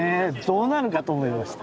どうなるかと思いました。